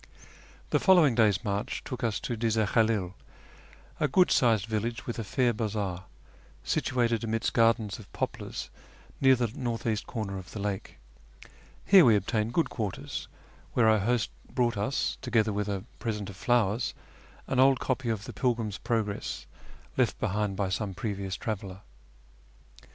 The following day's march took us to Dize Khalil, a good sized village with a fair bazaar, situated amidst gardens of FROM THE PERSIAN FRONTIER TO TABRIZ 57 poplars near the north east corner of the lake. Here we obtained good quarters, where our host brought us, together with a present of flowers, an old copy of the Pilgrims Progress left behind by some previous traveller.